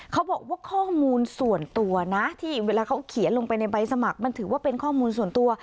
เขาบอกว่าข้อมูลส่วนตัวนะที่เวลาเขาเขียนลงไปในใบสมัครมันถือว่าเป็นข้อมูลส่วนตัว